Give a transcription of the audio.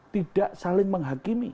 tidak saling menghakimi